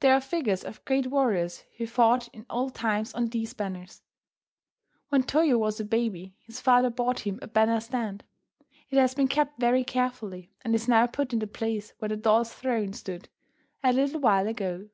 There are figures of great warriors who fought in olden times on these banners. When Toyo was a baby his father bought him a banner stand. It has been kept very carefully, and is now put in the place where the doll's throne stood a little while ago.